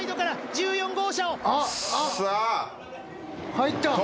入った。